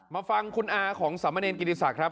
มาฟังคุณอาของสำมะเนียนกิริษัทครับ